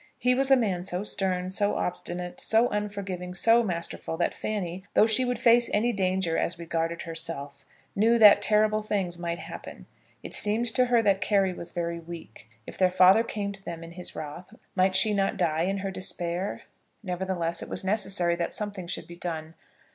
He was a man so stern, so obstinate, so unforgiving, so masterful, that Fanny, though she would face any danger as regarded herself, knew that terrible things might happen. It seemed to her that Carry was very weak. If their father came to them in his wrath, might she not die in her despair? Nevertheless it was necessary that something should be done.